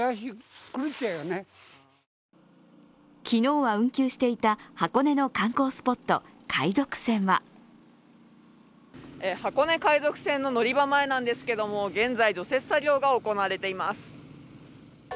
昨日は運休していた箱根の観光スポット海賊船は箱根海賊船の乗り場前なんですけれども、現在、除雪作業が行われています。